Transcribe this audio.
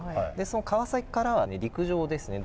その川崎からは陸上ですね